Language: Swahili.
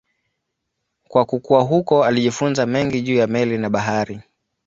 Kwa kukua huko alijifunza mengi juu ya meli na bahari.